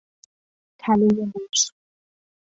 تلهی موش